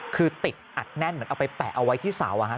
คือติดอัดแน่นเหมือนเอาไปแปะเอาไว้ที่เสาอะฮะ